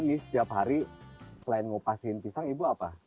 ini setiap hari selain ngupasin pisang ibu apa